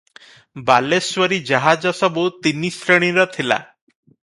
ବାଲେଶ୍ୱରୀ ଜାହାଜ ସବୁ ତିନି ଶ୍ରେଣୀର ଥିଲା ।